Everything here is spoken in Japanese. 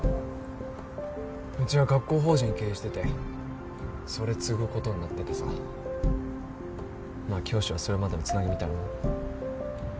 うちは学校法人経営しててそれ継ぐことになっててさまあ教師はそれまでのつなぎみたいなもん。